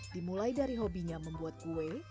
dimulai dari hobinya membuat kue